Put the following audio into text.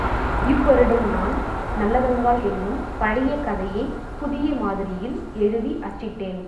இவ்வருடம் நான் நல்லதங்காள் என்னும் பழைய கதையைப் புதிய மாதிரியில் எழுதி அச்சிட்டேன்.